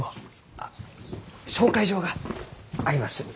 あっ紹介状があります。